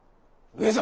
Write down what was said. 上様！